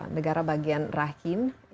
negara bagian rahim